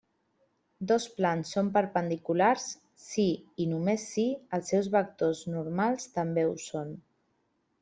Dos plans són perpendiculars si, i només si, els seus vectors normals també ho són.